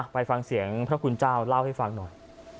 ไปฟังเสียงพระคุณเจ้าเล่าให้ฟังหน่อย